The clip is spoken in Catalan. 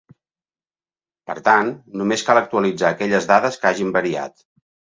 Per tant, només cal actualitzar aquelles dades que hagin variat.